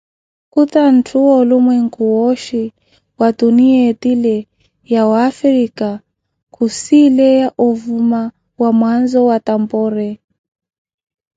Khuta atthu olumweeku wooxhi, ya tuniya etile ya wafrika, khusileya ovuma wamwaazo watamboori.